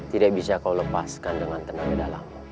tidak bisa kau lepaskan dengan tenaga dalam